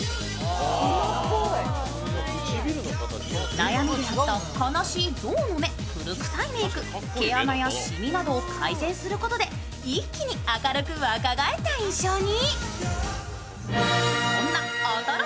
悩みであった悲しい象の目、古くさいメーク、毛穴やしみなどを改善することで一気に明るく若返った印象に。